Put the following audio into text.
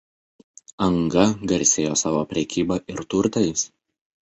Anga garsėjo savo prekyba ir turtais.